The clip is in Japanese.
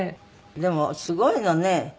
でもすごいのね。